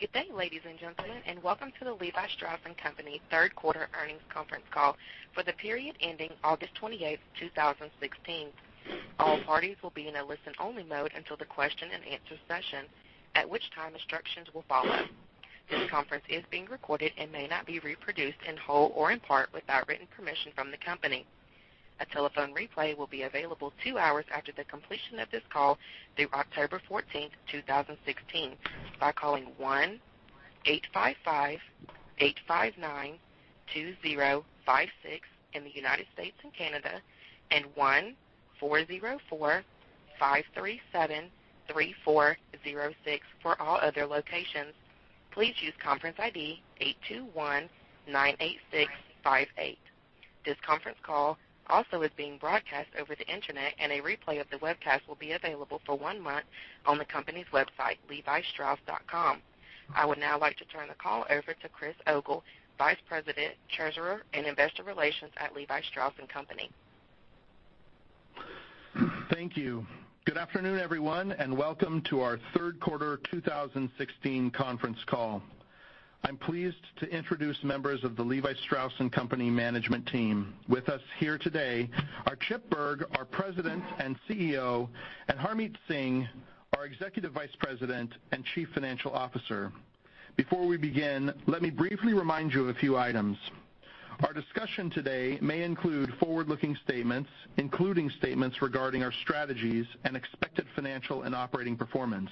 Good day, ladies and gentlemen, and welcome to the Levi Strauss & Co. third quarter earnings conference call for the period ending August 28th, 2016. All parties will be in a listen-only mode until the question and answer session, at which time instructions will follow. This conference is being recorded and may not be reproduced in whole or in part without written permission from the company. A telephone replay will be available two hours after the completion of this call through October 14th, 2016, by calling 1-855-859-2056 in the U.S. and Canada, and 1-404-537-3406 for all other locations. Please use conference ID 82198658. This conference call also is being broadcast over the internet, and a replay of the webcast will be available for one month on the company's website, levistrauss.com. I would now like to turn the call over to Chris Ogle, Vice President, Treasurer, and Investor Relations at Levi Strauss & Co.. Thank you. Good afternoon, everyone, and welcome to our third quarter 2016 conference call. I'm pleased to introduce members of the Levi Strauss & Co. management team. With us here today are Chip Bergh, our President and CEO, and Harmit Singh, our Executive Vice President and Chief Financial Officer. Before we begin, let me briefly remind you of a few items. Our discussion today may include forward-looking statements, including statements regarding our strategies and expected financial and operating performance.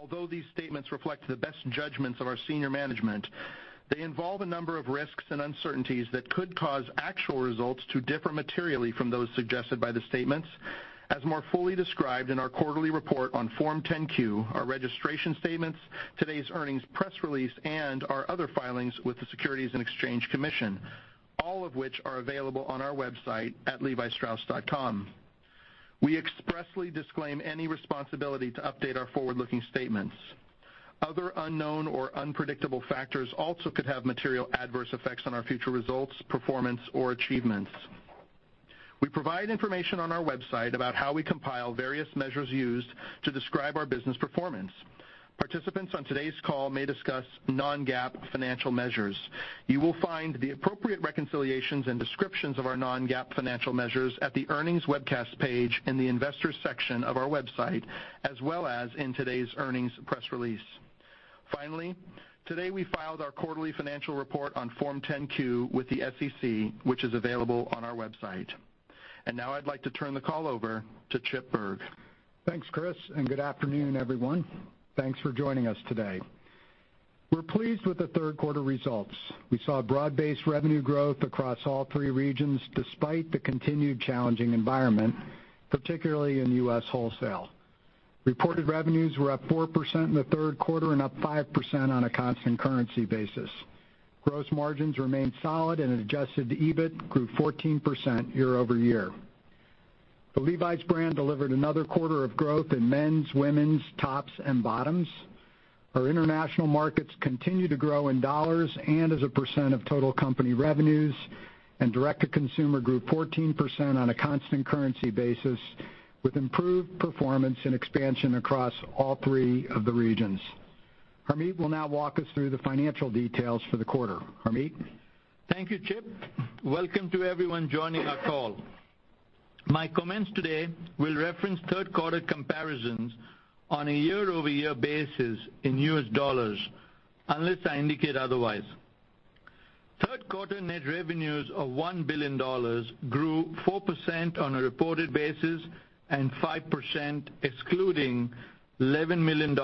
Although these statements reflect the best judgments of our senior management, they involve a number of risks and uncertainties that could cause actual results to differ materially from those suggested by the statements, as more fully described in our quarterly report on Form 10-Q, our registration statements, today's earnings press release, and our other filings with the Securities and Exchange Commission, all of which are available on our website at levistrauss.com. We expressly disclaim any responsibility to update our forward-looking statements. Other unknown or unpredictable factors also could have material adverse effects on our future results, performance, or achievements. We provide information on our website about how we compile various measures used to describe our business performance. Participants on today's call may discuss non-GAAP financial measures. You will find the appropriate reconciliations and descriptions of our non-GAAP financial measures at the Earnings Webcast page in the Investors section of our website, as well as in today's earnings press release. Finally, today we filed our quarterly financial report on Form 10-Q with the SEC, which is available on our website. Now I'd like to turn the call over to Chip Bergh. Thanks, Chris. Good afternoon, everyone. Thanks for joining us today. We're pleased with the third quarter results. We saw broad-based revenue growth across all three regions, despite the continued challenging environment, particularly in U.S. wholesale. Reported revenues were up 4% in the third quarter and up 5% on a constant currency basis. Gross margins remained solid. Adjusted EBIT grew 14% year-over-year. The Levi's brand delivered another quarter of growth in men's, women's, tops, and bottoms. Our international markets continue to grow in dollars and as a % of total company revenues. Direct-to-consumer grew 14% on a constant currency basis, with improved performance and expansion across all three of the regions. Harmit will now walk us through the financial details for the quarter. Harmit? Thank you, Chip. Welcome to everyone joining our call. My comments today will reference third quarter comparisons on a year-over-year basis in U.S. dollars, unless I indicate otherwise. Third quarter net revenues of $1 billion grew 4% on a reported basis and 5% excluding $11 million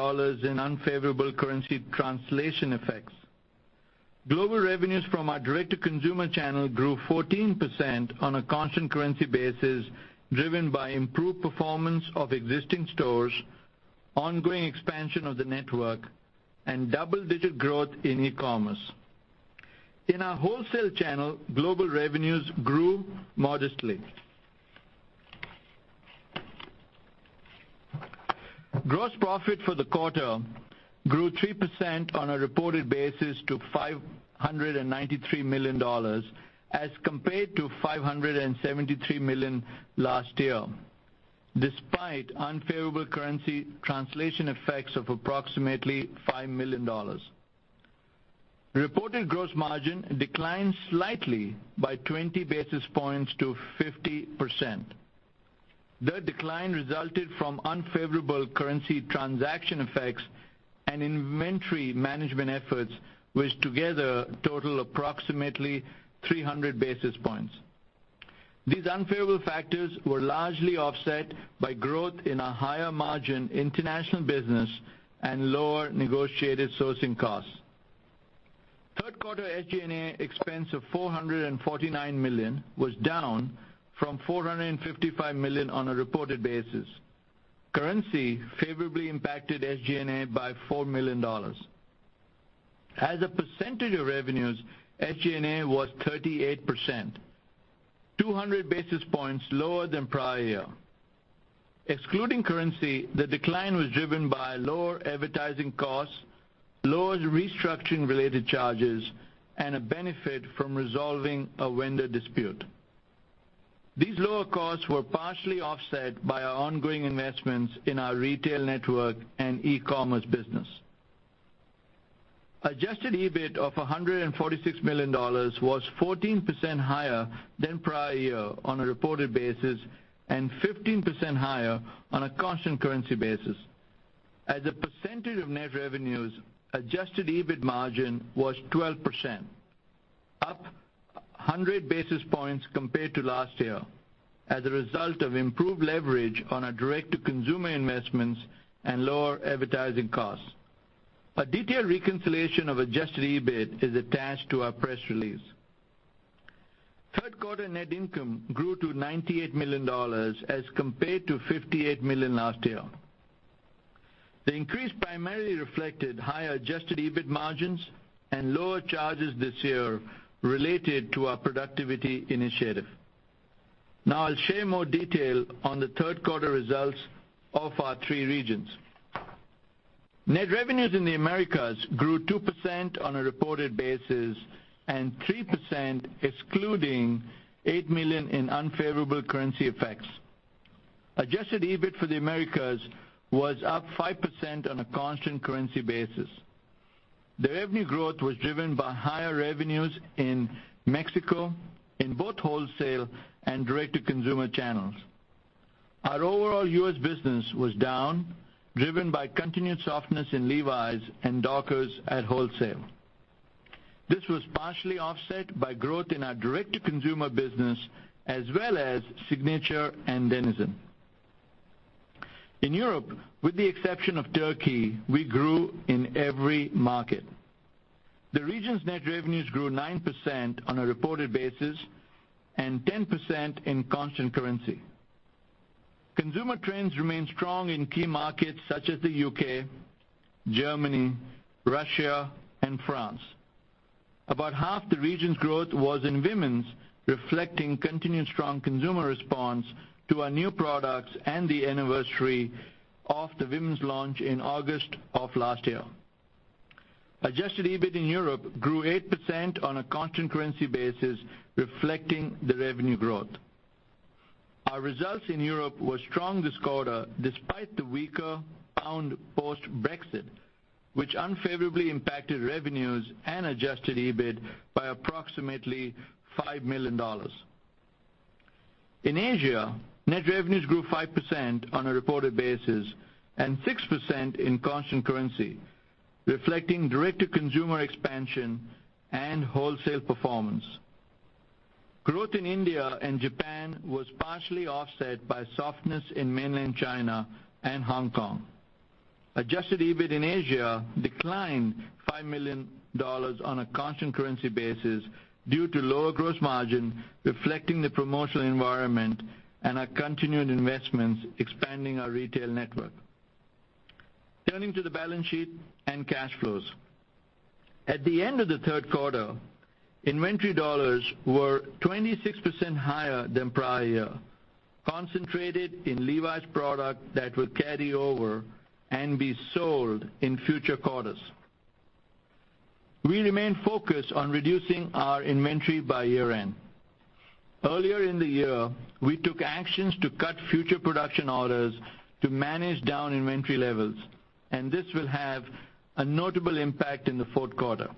in unfavorable currency translation effects. Global revenues from our direct-to-consumer channel grew 14% on a constant currency basis, driven by improved performance of existing stores, ongoing expansion of the network, and double-digit growth in e-commerce. In our wholesale channel, global revenues grew modestly. Gross profit for the quarter grew 3% on a reported basis to $593 million as compared to $573 million last year, despite unfavorable currency translation effects of approximately $5 million. Reported gross margin declined slightly by 20 basis points to 50%. The decline resulted from unfavorable currency transaction effects and inventory management efforts, which together total approximately 300 basis points. These unfavorable factors were largely offset by growth in our higher margin international business and lower negotiated sourcing costs. Third quarter SG&A expense of $449 million was down from $455 million on a reported basis. Currency favorably impacted SG&A by $4 million. As a % of revenues, SG&A was 38%, 200 basis points lower than prior year. Excluding currency, the decline was driven by lower advertising costs, lower restructuring related charges, and a benefit from resolving a vendor dispute. These lower costs were partially offset by our ongoing investments in our retail network and e-commerce business. Adjusted EBIT of $146 million was 14% higher than prior year on a reported basis, and 15% higher on a constant currency basis. As a % of net revenues, adjusted EBIT margin was 12%, up 100 basis points compared to last year as a result of improved leverage on our direct-to-consumer investments and lower advertising costs. A detailed reconciliation of adjusted EBIT is attached to our press release. Third quarter net income grew to $98 million as compared to $58 million last year. The increase primarily reflected higher adjusted EBIT margins and lower charges this year related to our productivity initiative. I'll share more detail on the third quarter results of our three regions. Net revenues in the Americas grew 2% on a reported basis and 3%, excluding $8 million in unfavorable currency effects. Adjusted EBIT for the Americas was up 5% on a constant currency basis. The revenue growth was driven by higher revenues in Mexico, in both wholesale and direct-to-consumer channels. Our overall U.S. business was down, driven by continued softness in Levi's and Dockers at wholesale. This was partially offset by growth in our direct-to-consumer business as well as Signature and DENIZEN. In Europe, with the exception of Turkey, we grew in every market. The region's net revenues grew 9% on a reported basis and 10% in constant currency. Consumer trends remain strong in key markets such as the U.K., Germany, Russia, and France. About half the region's growth was in women's, reflecting continued strong consumer response to our new products and the anniversary of the women's launch in August of last year. Adjusted EBIT in Europe grew 8% on a constant currency basis, reflecting the revenue growth. Our results in Europe were strong this quarter despite the weaker pound post-Brexit, which unfavorably impacted revenues and adjusted EBIT by approximately $5 million. In Asia, net revenues grew 5% on a reported basis and 6% in constant currency, reflecting direct-to-consumer expansion and wholesale performance. Growth in India and Japan was partially offset by softness in mainland China and Hong Kong. Adjusted EBIT in Asia declined $5 million on a constant currency basis due to lower gross margin reflecting the promotional environment and our continued investments expanding our retail network. Turning to the balance sheet and cash flows. At the end of the third quarter, inventory dollars were 26% higher than prior year, concentrated in Levi's product that will carry over and be sold in future quarters. We remain focused on reducing our inventory by year-end. Earlier in the year, we took actions to cut future production orders to manage down inventory levels, and this will have a notable impact in the fourth quarter.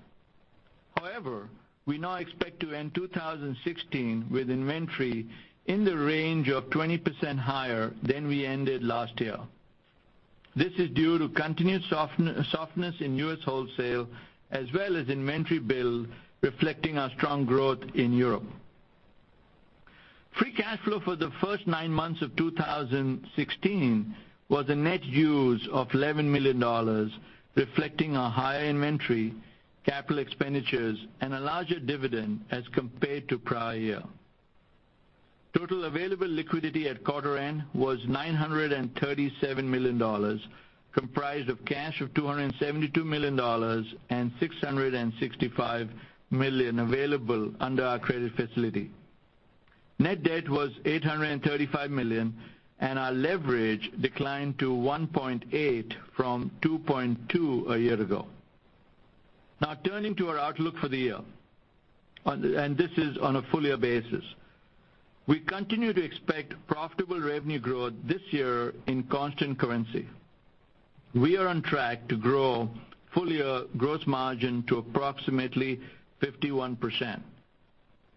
However, we now expect to end 2016 with inventory in the range of 20% higher than we ended last year. This is due to continued softness in U.S. wholesale, as well as inventory build reflecting our strong growth in Europe. Free cash flow for the first nine months of 2016 was a net use of $11 million, reflecting a higher inventory, capital expenditures, and a larger dividend as compared to prior year. Total available liquidity at quarter end was $937 million, comprised of cash of $272 million and $665 million available under our credit facility. Net debt was $835 million, and our leverage declined to 1.8 from 2.2 a year ago. Turning to our outlook for the year. This is on a full year basis. We continue to expect profitable revenue growth this year in constant currency. We are on track to grow full year gross margin to approximately 51%.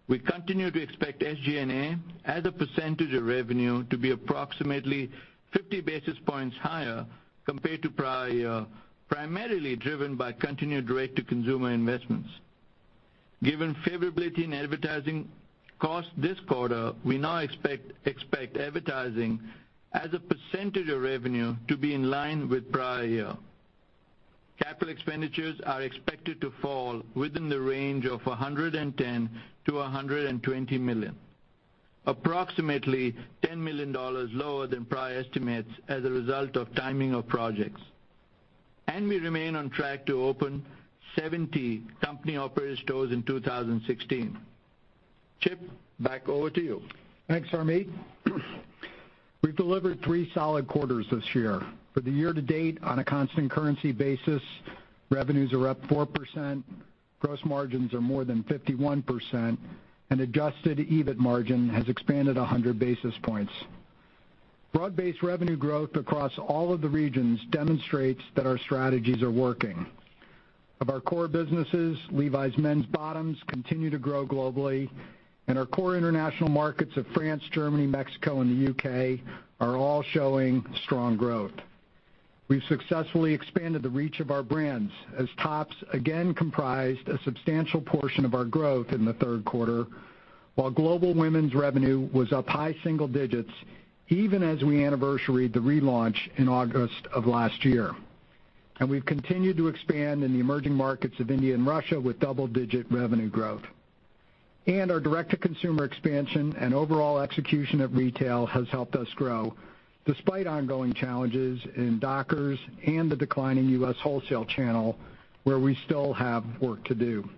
We continue to expect SG&A as a percentage of revenue to be approximately 50 basis points higher compared to prior year, primarily driven by continued direct-to-consumer investments. Given favorability in advertising cost this quarter, we now expect advertising as a percentage of revenue to be in line with prior year. Capital expenditures are expected to fall within the range of $110 million-$120 million, approximately $10 million lower than prior estimates as a result of timing of projects. We remain on track to open 70 company-operated stores in 2016. Chip, back over to you. Thanks, Harmit. We've delivered three solid quarters this year. For the year to date on a constant currency basis, revenues are up 4%, gross margins are more than 51%, and adjusted EBIT margin has expanded 100 basis points. Broad-based revenue growth across all of the regions demonstrates that our strategies are working. Of our core businesses, Levi's men's bottoms continue to grow globally, and our core international markets of France, Germany, Mexico, and the U.K. are all showing strong growth. We've successfully expanded the reach of our brands as tops again comprised a substantial portion of our growth in the third quarter, while global women's revenue was up high single digits, even as we anniversaried the relaunch in August of last year. We've continued to expand in the emerging markets of India and Russia with double-digit revenue growth. Our direct-to-consumer expansion and overall execution at retail has helped us grow, despite ongoing challenges in Dockers and the decline in U.S. wholesale channel, where we still have work to do.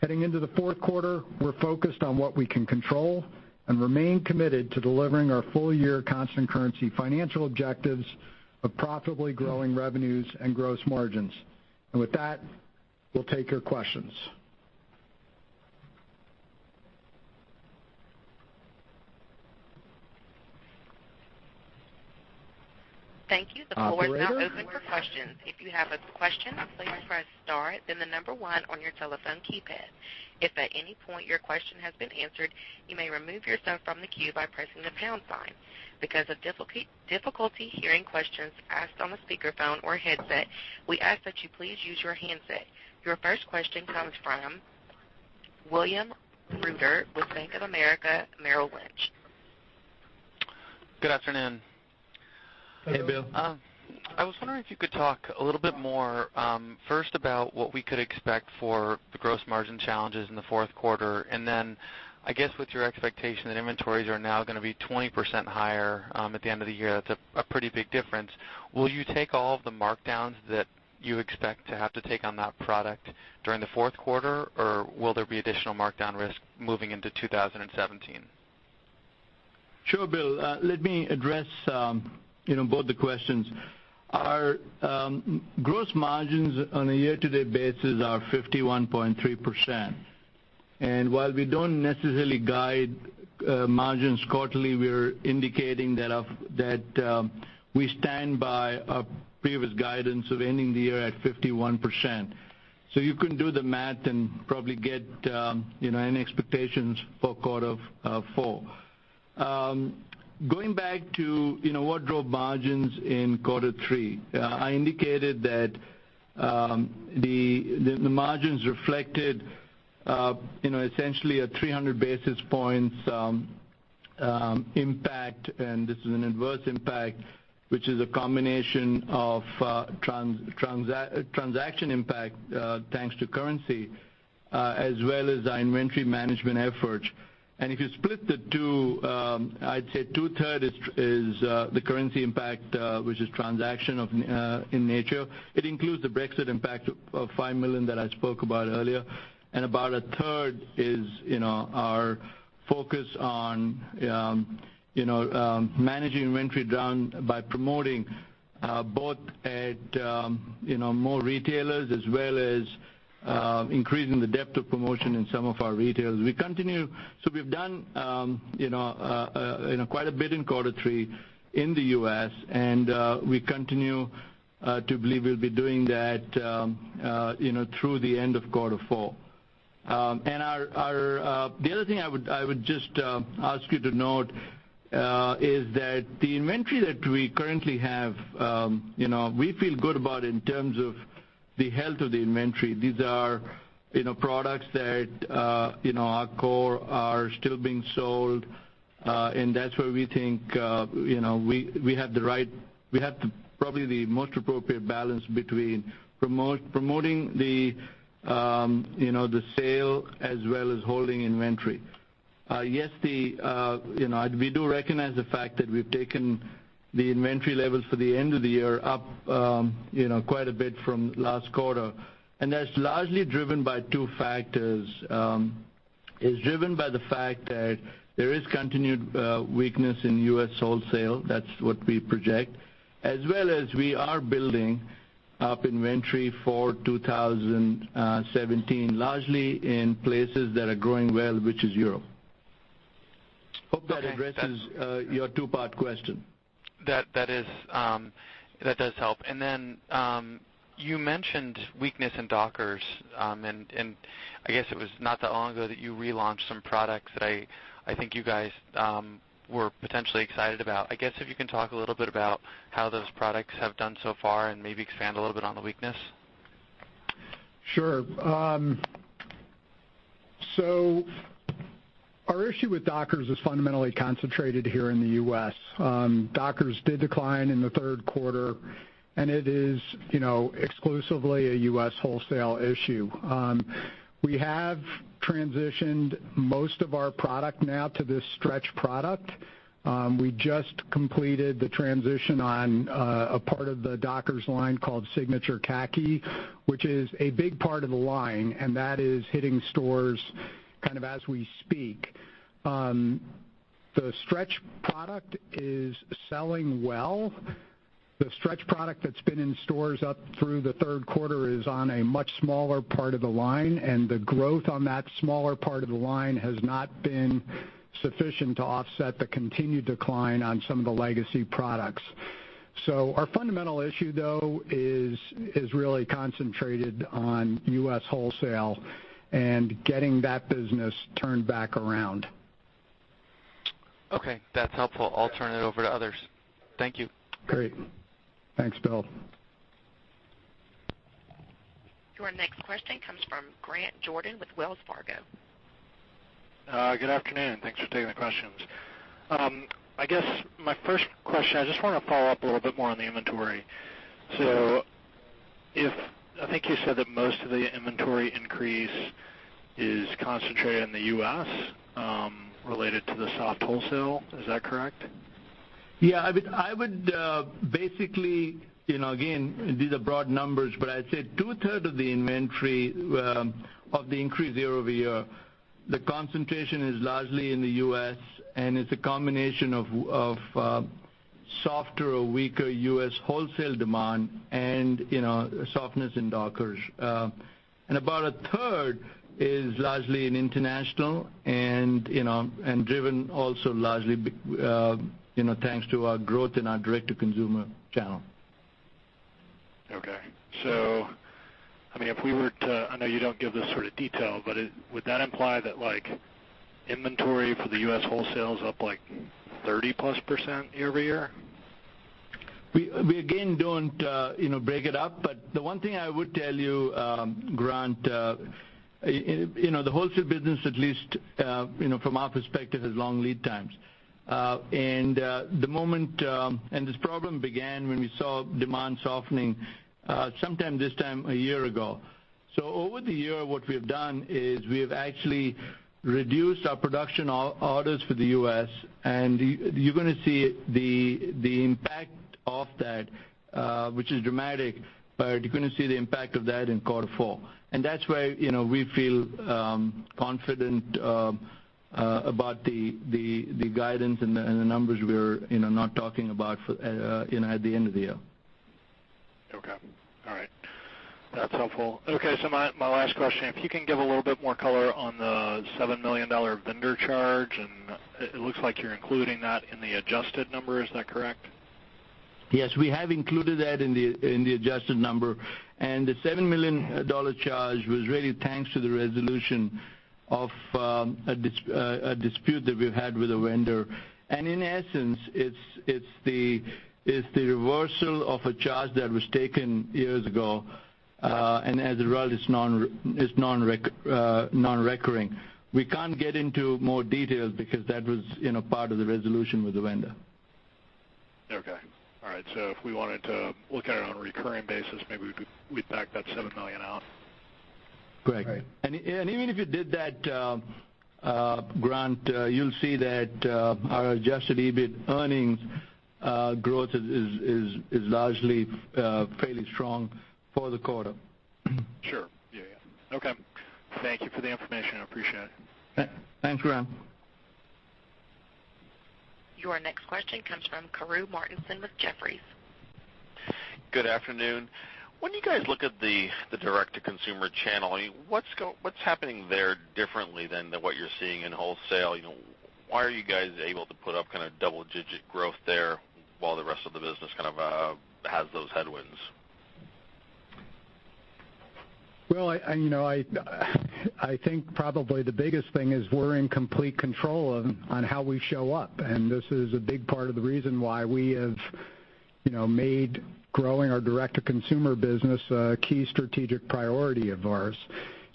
Heading into the fourth quarter, we're focused on what we can control and remain committed to delivering our full-year constant currency financial objectives of profitably growing revenues and gross margins. With that, we'll take your questions. Thank you. The floor is now open for questions. If you have a question, please press star then the number one on your telephone keypad. If at any point your question has been answered, you may remove yourself from the queue by pressing the pound sign. Because of difficulty hearing questions asked on a speakerphone or headset, we ask that you please use your handset. Your first question comes from William Reuter with Bank of America Merrill Lynch. Good afternoon. Hey, Bill. I was wondering if you could talk a little bit more, first about what we could expect for the gross margin challenges in the fourth quarter, and then, I guess with your expectation that inventories are now going to be 20% higher at the end of the year. That's a pretty big difference. Will you take all of the markdowns that you expect to have to take on that product during the fourth quarter, or will there be additional markdown risk moving into 2017? Sure, Bill. Let me address both the questions. Our gross margins on a year-to-date basis are 51.3%. While we don't necessarily guide margins quarterly, we're indicating that we stand by our previous guidance of ending the year at 51%. You can do the math and probably get any expectations for quarter four. Going back to what drove margins in quarter three. I indicated that the margins reflected essentially a 300 basis points impact. This is an adverse impact, which is a combination of transaction impact thanks to currency, as well as our inventory management efforts. If you split the two, I'd say two-third is the currency impact, which is transaction in nature. It includes the Brexit impact of $5 million that I spoke about earlier. About a third is our focus on managing inventory down by promoting both at more retailers as well as increasing the depth of promotion in some of our retailers. We've done quite a bit in quarter three in the U.S., and we continue to believe we'll be doing that through the end of quarter four. The other thing I would just ask you to note is that the inventory that we currently have, we feel good about in terms of the health of the inventory. These are products that our core are still being sold. That's where we think we have probably the most appropriate balance between promoting the sale as well as holding inventory. Yes, we do recognize the fact that we've taken the inventory levels for the end of the year up quite a bit from last quarter. That's largely driven by two factors. It's driven by the fact that there is continued weakness in U.S. wholesale. That's what we project. As well as we are building up inventory for 2017, largely in places that are growing well, which is Europe. Hope that addresses your two-part question. That does help. Then, you mentioned weakness in Dockers. I guess it was not that long ago that you relaunched some products that I think you guys were potentially excited about. I guess if you can talk a little bit about how those products have done so far and maybe expand a little bit on the weakness. Sure. Our issue with Dockers is fundamentally concentrated here in the U.S. Dockers did decline in the third quarter, and it is exclusively a U.S. wholesale issue. We have transitioned most of our product now to this stretch product. We just completed the transition on a part of the Dockers line called Signature Khaki, which is a big part of the line, and that is hitting stores as we speak. The stretch product is selling well. The stretch product that's been in stores up through the third quarter is on a much smaller part of the line, and the growth on that smaller part of the line has not been sufficient to offset the continued decline on some of the legacy products. Our fundamental issue, though, is really concentrated on U.S. wholesale and getting that business turned back around. Okay, that's helpful. I'll turn it over to others. Thank you. Great. Thanks, Bill. Your next question comes from Grant Jordan with Wells Fargo. Good afternoon. Thanks for taking the questions. I guess my first question, I just want to follow up a little bit more on the inventory. I think you said that most of the inventory increase is concentrated in the U.S. related to the soft wholesale. Is that correct? Yeah. I would basically, again, these are broad numbers, but I'd say two-thirds of the inventory of the increase year-over-year, the concentration is largely in the U.S., and it's a combination of softer or weaker U.S. wholesale demand and softness in Dockers. About a third is largely in international and driven also largely, thanks to our growth in our direct-to-consumer channel. Okay. If we were to, I know you don't give this sort of detail, but would that imply that inventory for the U.S. wholesale is up, like, 30%+ year-over-year? We, again, don't break it up. The one thing I would tell you, Grant, the wholesale business, at least, from our perspective, has long lead times. This problem began when we saw demand softening, sometime this time a year ago. Over the year, what we have done is we have actually reduced our production orders for the U.S., and you're going to see the impact of that, which is dramatic, but you're going to see the impact of that in quarter four. That's why we feel confident about the guidance and the numbers we're not talking about at the end of the year. Okay. All right. That's helpful. Okay, my last question, if you can give a little bit more color on the $7 million vendor charge, and it looks like you're including that in the adjusted number. Is that correct? Yes, we have included that in the adjusted number. The $7 million charge was really thanks to the resolution of a dispute that we had with a vendor. In essence, it's the reversal of a charge that was taken years ago. As a result, it's non-recurring. We can't get into more details because that was part of the resolution with the vendor. Okay. All right. If we wanted to look at it on a recurring basis, maybe we'd back that $7 million out. Correct. Right. Even if you did that, Grant, you'll see that our adjusted EBIT earnings growth is largely fairly strong for the quarter. Sure. Yeah. Okay. Thank you for the information. I appreciate it. Thanks, Grant. Your next question comes from Karru Martinson with Jefferies. Good afternoon. When you guys look at the direct-to-consumer channel, what's happening there differently than what you're seeing in wholesale? Why are you guys able to put up kind of double-digit growth there while the rest of the business kind of has those headwinds? Well, I think probably the biggest thing is we're in complete control on how we show up, and this is a big part of the reason why we have made growing our direct-to-consumer business a key strategic priority of ours.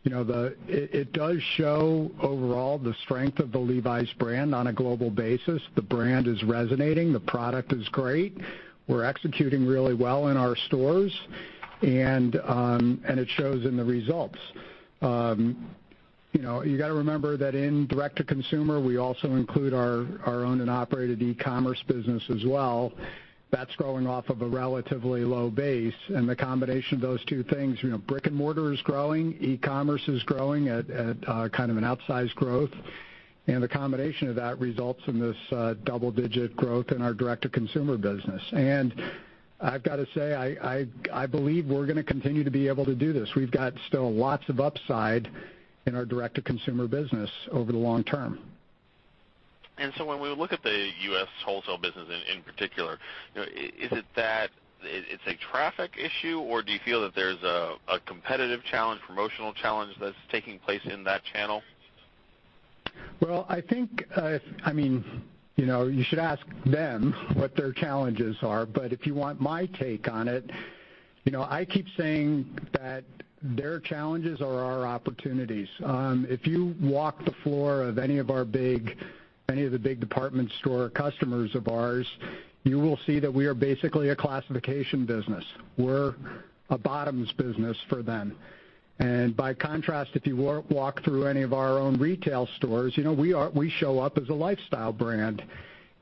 It does show overall the strength of the Levi's brand on a global basis. The brand is resonating. The product is great. We're executing really well in our stores, and it shows in the results. You've got to remember that in direct-to-consumer, we also include our own and operated e-commerce business as well. That's growing off of a relatively low base. The combination of those two things, brick and mortar is growing, e-commerce is growing at kind of an outsized growth. The combination of that results in this double-digit growth in our direct-to-consumer business. I've got to say, I believe we're going to continue to be able to do this. We've got still lots of upside in our direct-to-consumer business over the long term. When we look at the U.S. wholesale business in particular, is it that it's a traffic issue, or do you feel that there's a competitive challenge, promotional challenge that's taking place in that channel? Well, you should ask them what their challenges are. If you want my take on it, I keep saying that their challenges are our opportunities. If you walk the floor of any of the big department store customers of ours, you will see that we are basically a classification business. We're a bottoms business for them. By contrast, if you walk through any of our own retail stores, we show up as a lifestyle brand.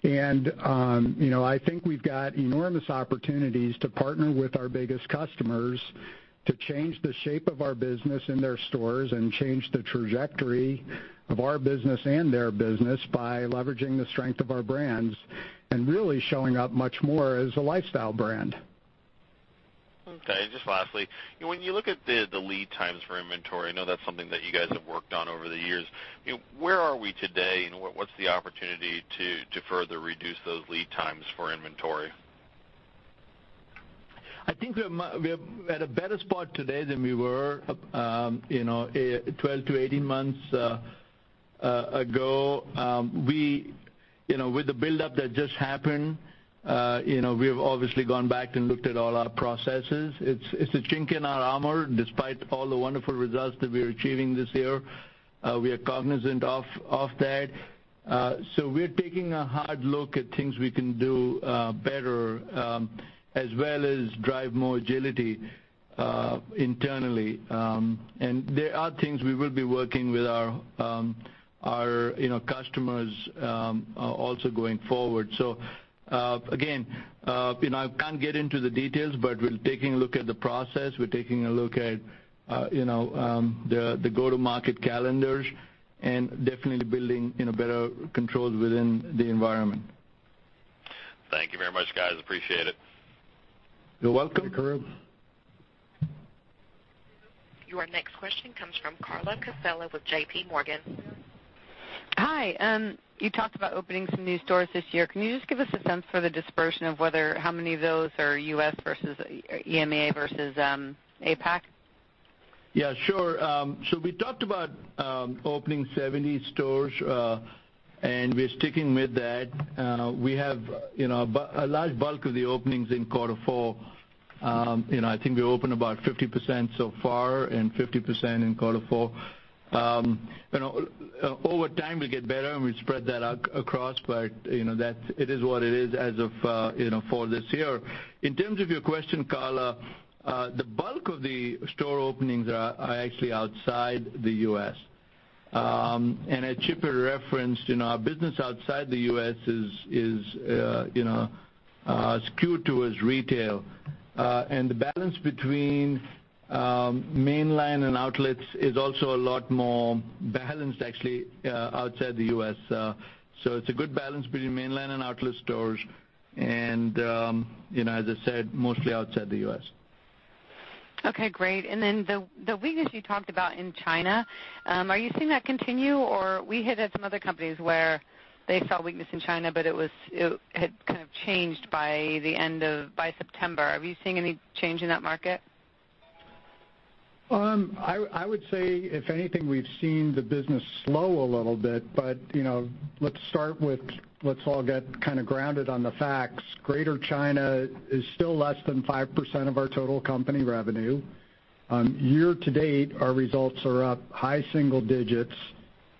I think we've got enormous opportunities to partner with our biggest customers to change the shape of our business in their stores and change the trajectory of our business and their business by leveraging the strength of our brands and really showing up much more as a lifestyle brand. Okay. Just lastly, when you look at the lead times for inventory, I know that's something that you guys have worked on over the years. Where are we today and what's the opportunity to further reduce those lead times for inventory? I think we're at a better spot today than we were 12 to 18 months ago. With the buildup that just happened, we've obviously gone back and looked at all our processes. It's a chink in our armor, despite all the wonderful results that we are achieving this year. We are cognizant of that. We're taking a hard look at things we can do better as well as drive more agility internally. There are things we will be working with our customers also going forward. Again, I can't get into the details, but we're taking a look at the process. We're taking a look at the go-to-market calendars and definitely building better controls within the environment. Thank you very much, guys. Appreciate it. You're welcome. Thank you, Karru. Your next question comes from Carla Casella with JP Morgan. Hi. You talked about opening some new stores this year. Can you just give us a sense for the dispersion of how many of those are U.S. versus EMEA versus APAC? Yeah, sure. We talked about opening 70 stores and we're sticking with that. We have a large bulk of the openings in quarter four. I think we opened about 50% so far and 50% in quarter four. Over time, we get better and we spread that out across, it is what it is as of for this year. In terms of your question, Carla, the bulk of the store openings are actually outside the U.S. As Chip referenced, our business outside the U.S. is skewed towards retail. The balance between mainline and outlets is also a lot more balanced actually outside the U.S. It's a good balance between mainline and outlet stores and as I said, mostly outside the U.S. Okay, great. The weakness you talked about in China, are you seeing that continue? Or we hit at some other companies where they saw weakness in China, but it had kind of changed by September. Are you seeing any change in that market? I would say if anything, we've seen the business slow a little bit, let's all get kind of grounded on the facts. Greater China is still less than 5% of our total company revenue. Year to date, our results are up high single digits,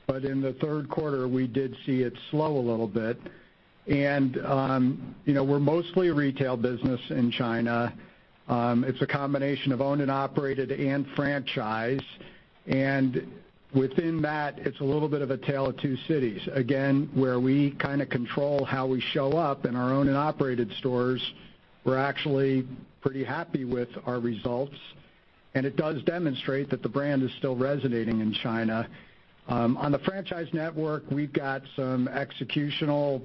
but in the third quarter, we did see it slow a little bit. We're mostly a retail business in China. It's a combination of owned and operated and franchise. Within that, it's a little bit of a tale of two cities. Again, where we kind of control how we show up in our owned and operated stores, we're actually pretty happy with our results. It does demonstrate that the brand is still resonating in China. On the franchise network, we've got some executional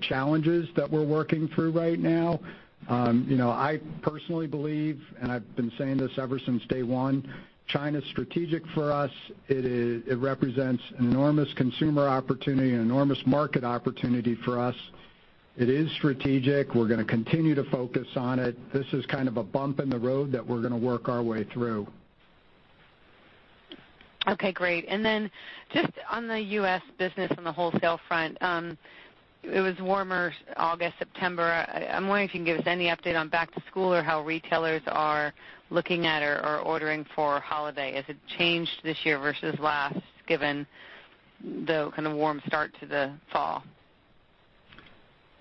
challenges that we're working through right now. I personally believe, I've been saying this ever since day one, China's strategic for us. It represents an enormous consumer opportunity, an enormous market opportunity for us. It is strategic. We're going to continue to focus on it. This is kind of a bump in the road that we're going to work our way through. Okay, great. Just on the U.S. business on the wholesale front. It was warmer August, September. I'm wondering if you can give us any update on back to school or how retailers are looking at or ordering for holiday. Has it changed this year versus last, given the kind of warm start to the fall?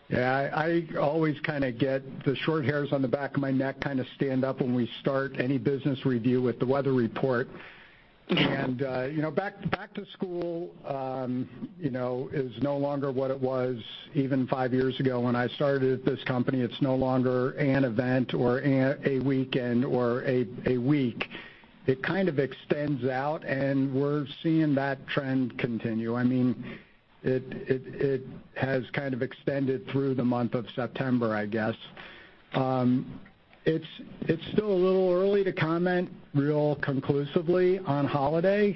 Yeah. I always kind of get the short hairs on the back of my neck kind of stand up when we start any business review with the weather report. Back to school is no longer what it was even five years ago when I started at this company. It's no longer an event or a weekend or a week. It kind of extends out and we're seeing that trend continue. It has kind of extended through the month of September, I guess. It's still a little early to comment real conclusively on holiday.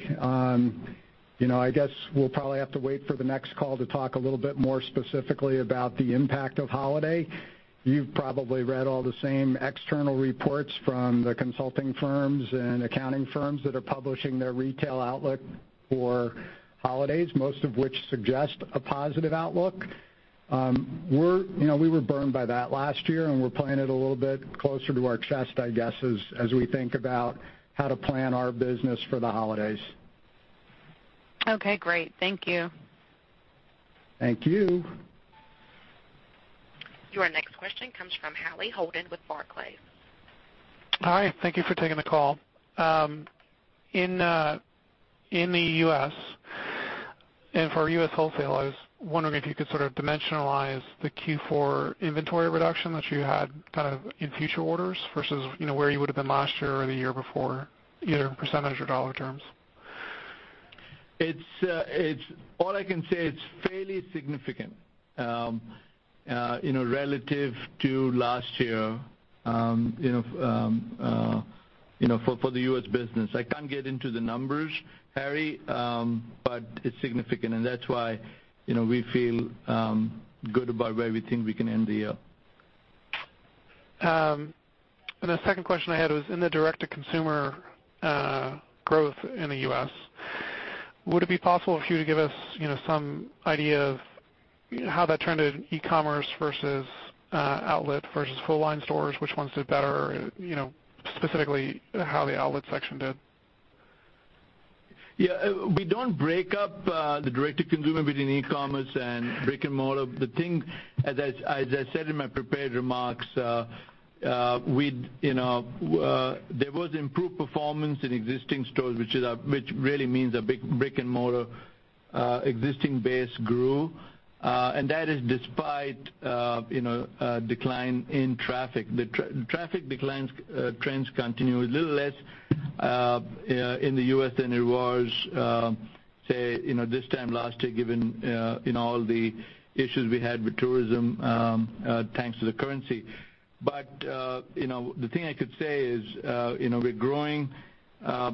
I guess we'll probably have to wait for the next call to talk a little bit more specifically about the impact of holiday. You've probably read all the same external reports from the consulting firms and accounting firms that are publishing their retail outlook for holidays, most of which suggest a positive outlook. We were burned by that last year, we're playing it a little bit closer to our chest, I guess, as we think about how to plan our business for the holidays. Okay, great. Thank you. Thank you. Your next question comes from Hale Holden with Barclays. Hi. Thank you for taking the call. In the U.S. and for U.S. wholesale, I was wondering if you could sort of dimensionalize the Q4 inventory reduction that you had kind of in future orders versus where you would've been last year or the year before, either in percentage or dollar terms. All I can say, it's fairly significant relative to last year for the U.S. business. I can't get into the numbers, Hale. It's significant, and that's why we feel good about where we think we can end the year. The second question I had was in the direct-to-consumer growth in the U.S., would it be possible for you to give us some idea of how that trended e-commerce versus outlet versus full line stores? Which ones did better? Specifically, how the outlet section did. Yeah. We don't break up the direct-to-consumer between e-commerce and brick and mortar. As I said in my prepared remarks, there was improved performance in existing stores, which really means our brick and mortar existing base grew. That is despite a decline in traffic. The traffic declines trends continue, a little less in the U.S. than it was, say, this time last year, given all the issues we had with tourism thanks to the currency. The thing I could say is our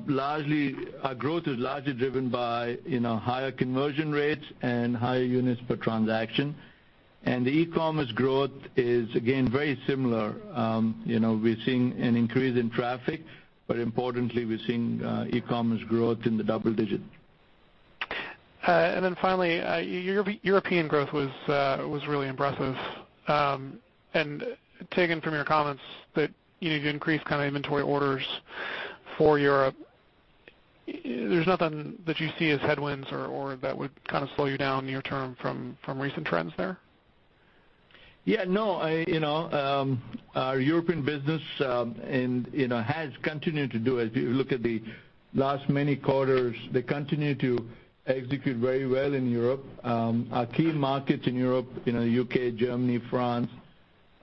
growth is largely driven by higher conversion rates and higher units per transaction. The e-commerce growth is again, very similar. We're seeing an increase in traffic, but importantly, we're seeing e-commerce growth in the double digits. Finally, your European growth was really impressive. Taken from your comments that you need to increase kind of inventory orders for Europe, there's nothing that you see as headwinds or that would kind of slow you down near term from recent trends there? Yeah, no. Our European business has continued to do. If you look at the last many quarters, they continue to execute very well in Europe. Our key markets in Europe, U.K., Germany, France,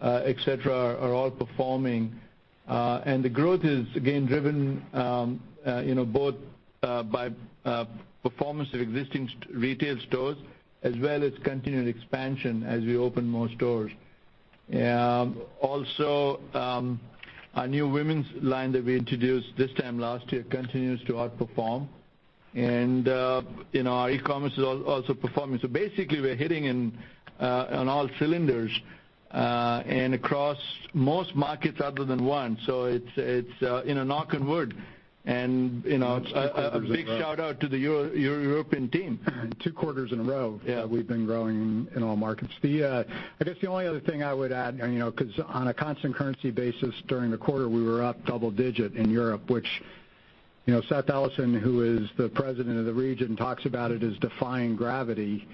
et cetera, are all performing. The growth is again driven both by performance of existing retail stores as well as continued expansion as we open more stores. Also, our new women's line that we introduced this time last year continues to outperform. Our e-commerce is also performing. Basically, we're hitting on all cylinders, and across most markets other than one. Knock on wood, and a big shout-out to the European team. Two quarters in a row. Yeah. We've been growing in all markets. I guess the only other thing I would add, because on a constant currency basis during the quarter, we were up double digit in Europe, which Seth Ellison, who is the President of the region, talks about it as defying gravity.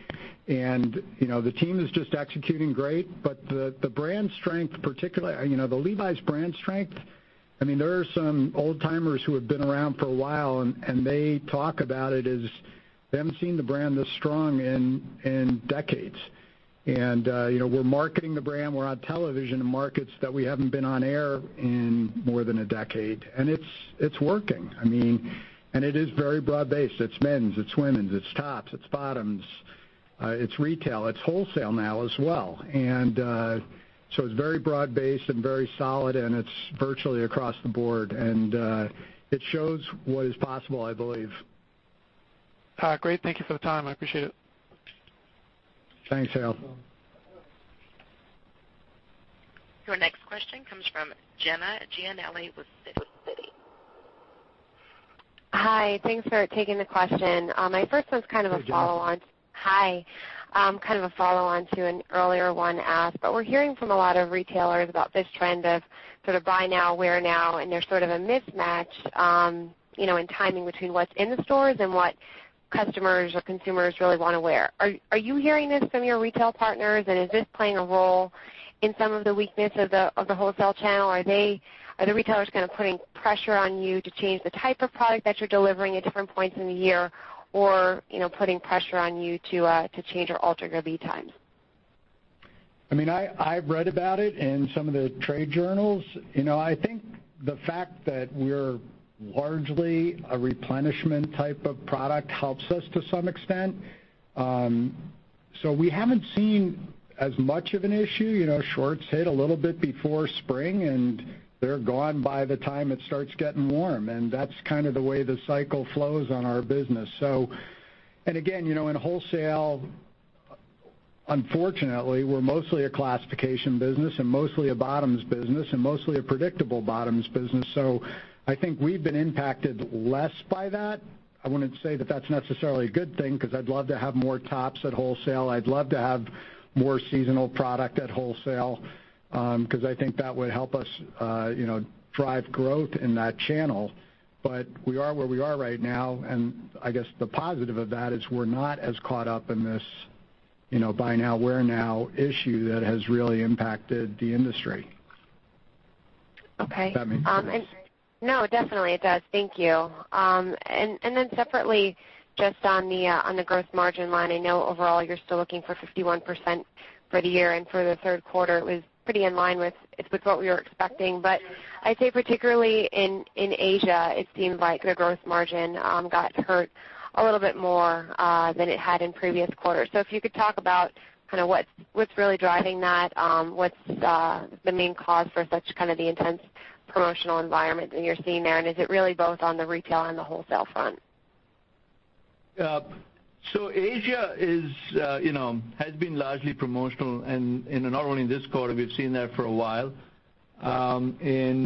The team is just executing great. The brand strength, particularly the Levi's brand strength, there are some old-timers who have been around for a while, and they talk about it as they haven't seen the brand this strong in decades. We're marketing the brand. We're on television in markets that we haven't been on air in more than a decade, and it's working. It is very broad based. It's men's, it's women's, it's tops, it's bottoms, it's retail, it's wholesale now as well. It's very broad based and very solid, and it's virtually across the board. It shows what is possible, I believe. Great. Thank you for the time. I appreciate it. Thanks, Hale. Your next question comes from Jenna, J-E-N-N-A, with Citi. Hi. Thanks for taking the question. My first one's kind of a follow on. Hey, Jenna. Hi. Kind of a follow on to an earlier one asked. We're hearing from a lot of retailers about this trend of sort of buy now, wear now, and there's sort of a mismatch in timing between what's in the stores and what customers or consumers really want to wear. Are you hearing this from your retail partners, and is this playing a role in some of the weakness of the wholesale channel? Are the retailers kind of putting pressure on you to change the type of product that you're delivering at different points in the year, or putting pressure on you to change or alter your lead times? I've read about it in some of the trade journals. I think the fact that we're largely a replenishment type of product helps us to some extent. We haven't seen as much of an issue. Shorts hit a little bit before spring, and they're gone by the time it starts getting warm, and that's kind of the way the cycle flows on our business. Again, in wholesale, unfortunately, we're mostly a classification business and mostly a bottoms business and mostly a predictable bottoms business. I think we've been impacted less by that. I wouldn't say that that's necessarily a good thing because I'd love to have more tops at wholesale. I'd love to have more seasonal product at wholesale. I think that would help us drive growth in that channel. We are where we are right now, and I guess the positive of that is we're not as caught up in this buy now, wear now issue that has really impacted the industry. Okay. If that makes sense. No, definitely it does. Thank you. Then separately, just on the gross margin line, I know overall you're still looking for 51% for the year and for the third quarter. It was pretty in line with what we were expecting. I'd say particularly in Asia, it seems like the gross margin got hurt a little bit more than it had in previous quarters. If you could talk about what's really driving that, what's the main cause for such kind of the intense promotional environment that you're seeing there? Is it really both on the retail and the wholesale front? Asia has been largely promotional, not only in this quarter, we've seen that for a while. We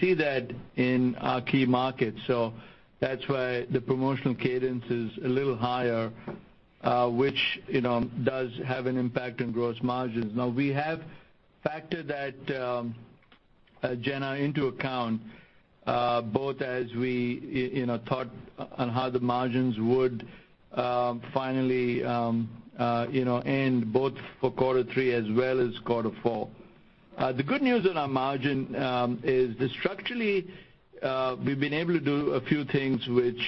see that in our key markets. That's why the promotional cadence is a little higher, which does have an impact on gross margins. Now we have factored that, Jenna, into account, both as we thought on how the margins would finally end, both for quarter three as well as quarter four. The good news on our margin is that structurally, we've been able to do a few things which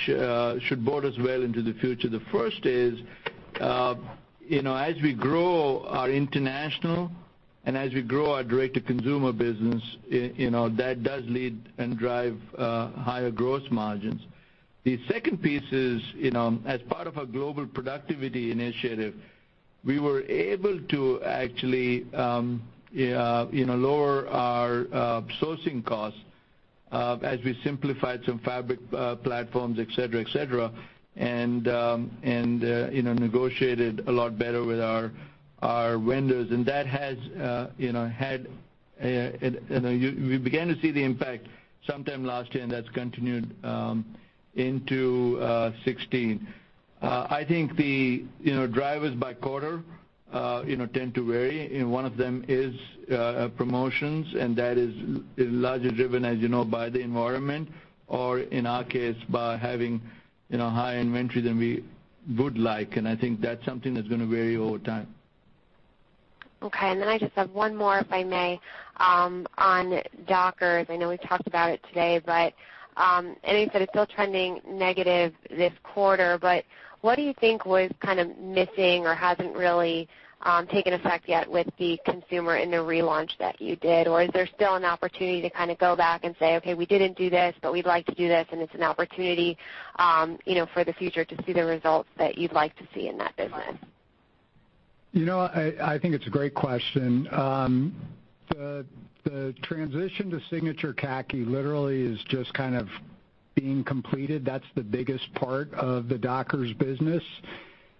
should bode us well into the future. The first is, as we grow our international and as we grow our direct-to-consumer business, that does lead and drive higher gross margins. The second piece is, as part of our global productivity initiative, we were able to actually lower our sourcing costs as we simplified some fabric platforms, et cetera, et cetera, negotiated a lot better with our vendors. We began to see the impact sometime last year, and that's continued into 2016. I think the drivers by quarter tend to vary, one of them is promotions, and that is largely driven, as you know, by the environment or, in our case, by having higher inventory than we would like. I think that's something that's going to vary over time. I just have one more, if I may, on Dockers. I know we've talked about it today, I know you said it's still trending negative this quarter, what do you think was kind of missing or hasn't really taken effect yet with the consumer in the relaunch that you did? Is there still an opportunity to kind of go back and say, "Okay, we didn't do this, we'd like to do this," it's an opportunity for the future to see the results that you'd like to see in that business? I think it's a great question. The transition to Signature Khaki literally is just kind of being completed. That's the biggest part of the Dockers business.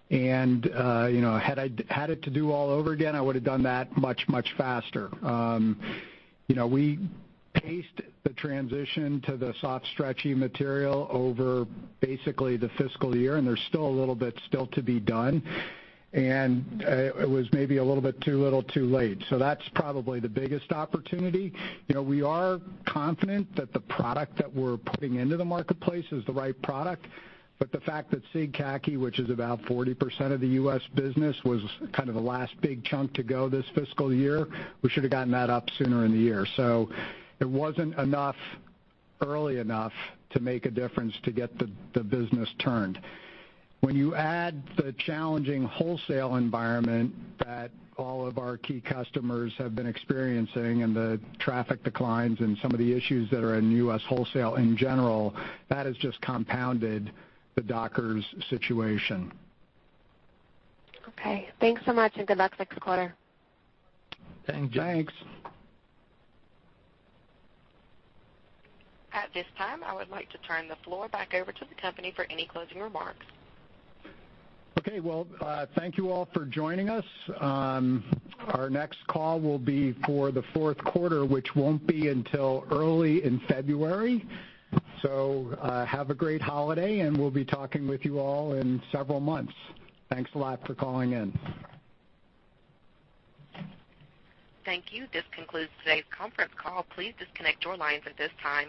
Had it to do all over again, I would've done that much, much faster. We paced the transition to the soft, stretchy material over basically the fiscal year, there's still a little bit still to be done. It was maybe a little bit too little too late. That's probably the biggest opportunity. We are confident that the product that we're putting into the marketplace is the right product. The fact that Signature Khaki, which is about 40% of the U.S. business, was kind of the last big chunk to go this fiscal year, we should've gotten that up sooner in the year. It wasn't enough, early enough to make a difference to get the business turned. When you add the challenging wholesale environment that all of our key customers have been experiencing and the traffic declines and some of the issues that are in U.S. wholesale in general, that has just compounded the Dockers situation. Okay. Thanks so much, and good luck next quarter. Thanks. Thanks. At this time, I would like to turn the floor back over to the company for any closing remarks. Okay. Well, thank you all for joining us. Our next call will be for the fourth quarter, which won't be until early in February. Have a great holiday, and we'll be talking with you all in several months. Thanks a lot for calling in. Thank you. This concludes today's conference call. Please disconnect your lines at this time.